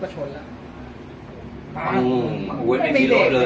อืมไม่มีรถ